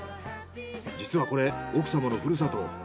実はこれ奥様のふるさと